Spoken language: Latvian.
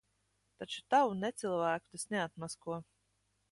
Taču tavu necilvēku tas neatmasko.